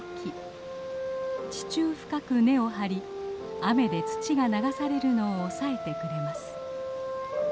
地中深く根を張り雨で土が流されるのを押さえてくれます。